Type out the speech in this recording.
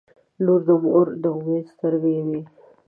• لور د مور د امید سترګې وي.